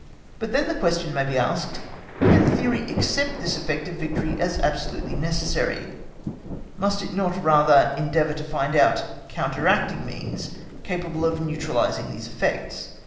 But then the question may be asked, Can theory accept this effect of victory as absolutely necessary?—must it not rather endeavour to find out counteracting means capable of neutralising these effects?